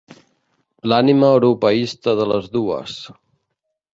L'ànima europeista de les dues.